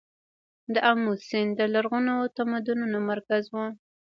د امو سیند د لرغونو تمدنونو مرکز و